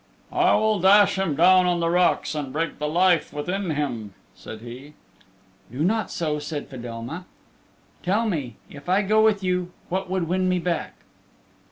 "I will dash him down on the rocks and break the life within him," said he. "Do not so," said Fedelma. "Tell me. If I go with you what would win me back?"